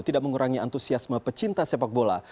tidak mengurangi antusiasme pecinta sepak bola